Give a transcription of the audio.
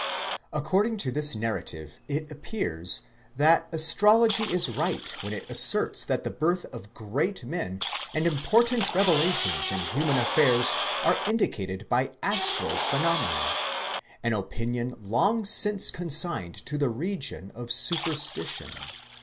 According to this narrative it appears, that astrology is right when it asserts that the birth of great men and important revolutions in human affairs are indicated by astral phenomena ; an opinion long since consigned to the region of superstition.